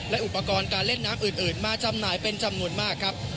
และอุปกรณ์การเล่นน้ำอื่นมาจำหน่ายเป็นจำนวนมากครับ